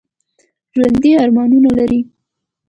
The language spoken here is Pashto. ژوندي ارمانونه لري